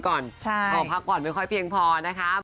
ก็พักผ่อนไม่ค่อยเพียงพอนะครับ